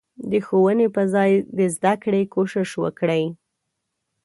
د ښوونې په ځای د زدکړې کوشش وکړي.